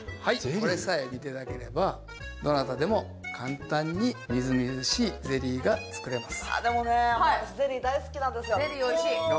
これさえ見ていただければどなたでも簡単にみずみずしいゼリーが作れます。